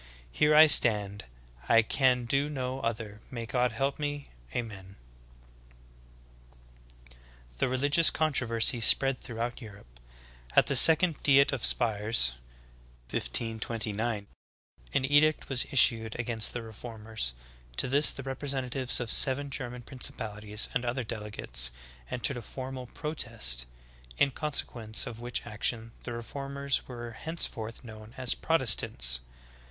Here I stand, I can do no other, may God help me! Ameri!" 8. The religious controversy spread throughout Europe. At the Second Diet of Spires (1529) an edict was issued against the reformers; to this the representatives of seven German principalities and other delegates entered a formal protest, in consequence of which action the reformers were henceforth known as Protestants.